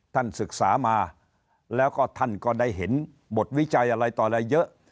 ท่านศึกษามาแล้วก็ท่านก็ได้เห็นบทวิจัยอะไรต่ออะไรเยอะ